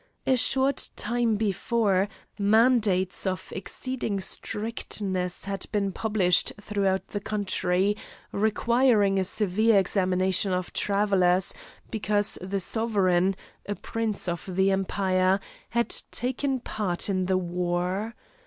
A short time before, mandates of exceeding strictness had been published throughout the country, requiring a severe examination of travellers, because the sovereign, a prince of the empire, had taken part in the war.